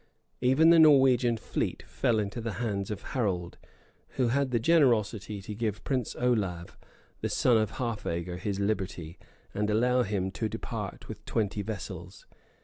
Even the Norwegian fleet fell into the hands of Harold, who had the generosity to give prince Olave, the son of Halfager, his liberty, and allow him to depart with twenty vessels.